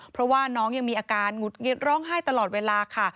เพราะว่าน้องยังมีอาการหงุดหงิดร้องไห้ตลอดเวลาค่ะ